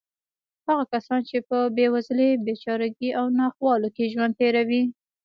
هغه کسان چې په بېوزلۍ، بېچارهګۍ او ناخوالو کې ژوند تېروي.